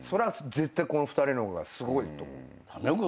絶対この２人の方がすごいと思う。